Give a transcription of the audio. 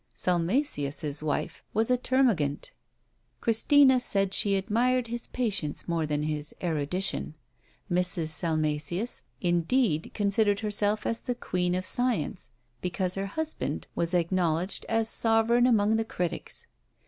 Salmasius's wife was a termagant; Christina said she admired his patience more than his erudition. Mrs. Salmasius indeed considered herself as the queen of science, because her husband was acknowledged as sovereign among the critics.